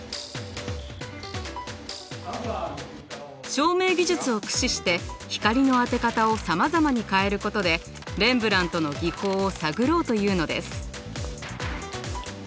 照明技術を駆使して光の当て方をさまざまに変えることでレンブラントの技法を探ろうというのです。